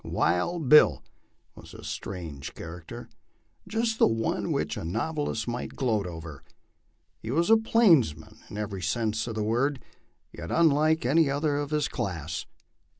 * Wild Bill " was a strange character, just the one which a novelist might gloat over. He was a Plains man in every sense of the word, yet unlike any other of his class.